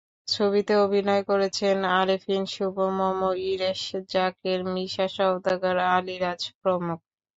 ছবিতে অভিনয় করেছেন আরিফিন শুভ, মম, ইরেশ যাকের, মিশা সওদাগর, আলীরাজ প্রমুখ।